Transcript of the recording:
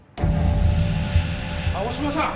青嶌さん！